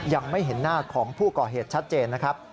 ยังไม่เห็นหน้าของผู้ก่อเหตุชัดเจนนะครับ